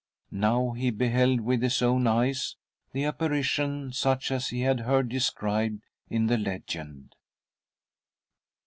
Now he beheld with his own eyes the apparition such as he had heard described in the legend.